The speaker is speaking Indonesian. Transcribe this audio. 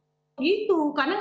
kemarin buruh itu mengajukan